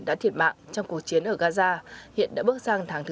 đã thiệt mạng trong cuộc chiến ở gaza hiện đã bước sang tháng thứ tám